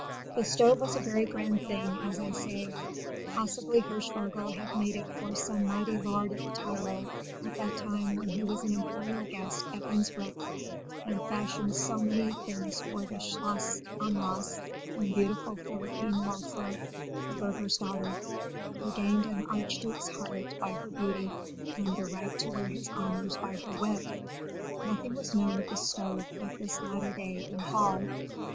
The stove was a very grand thing, as I say: possibly Hirschvogel had made it for some mighty lord of the Tyrol at that time when he was an imperial guest at Innspruck and fashioned so many things for the Schloss Amras and beautiful Philippine Welser, the Burgher's daughter, who gained an Archduke's heart by her beauty and the right to wear his honors by her wit. Nothing was known of the stove at this latter day in Hall.